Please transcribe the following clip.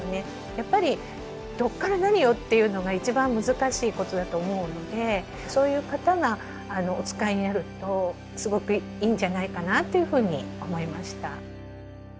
やっぱりどっから何をっていうのが一番難しいことだと思うのでそういう方がお使いになるとすごくいいんじゃないかなっていうふうに思いました。